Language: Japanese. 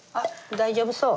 大丈夫そう？